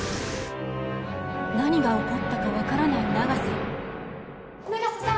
何が起こったか分からない永瀬。